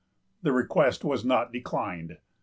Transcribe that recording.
The request was not declined.